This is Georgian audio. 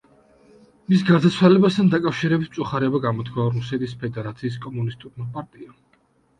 მის გარდაცვალებასთან დაკავშირებით მწუხარება გამოთქვა რუსეთის ფედერაციის კომუნისტურმა პარტიამ.